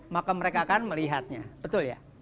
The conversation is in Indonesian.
maka mereka akan melihatnya betul ya